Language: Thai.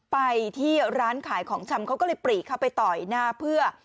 ไปที่ร้านขายของชำเขาก็เลยปรีกเข้าไปต่อยหน้าเพื่อ